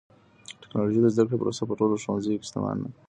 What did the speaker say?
ټکنالوژي د زده کړې پروسه په ټولو ښوونځيو کې آسانه کوي.